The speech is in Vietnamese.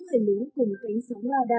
những người núi cùng cánh sóng hoa đa